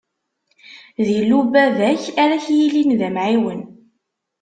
D Illu n baba-k ara k-yilin d Amɛiwen.